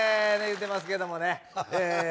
言うてますけどもねええ